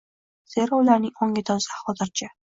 Zero ularning ongi toza. Hozircha.